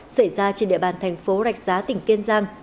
xảy ra trên địa bàn thành phố rạch giá tỉnh kiên giang